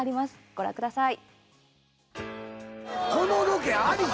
ご覧ください。